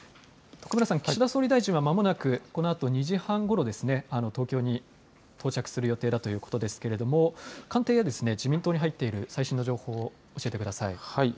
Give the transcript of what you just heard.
岸田総理大臣はまもなくこのあと２時半ごろ、東京に到着する予定だということですけれども官邸や自民党に入っている最新の情報を教えてください。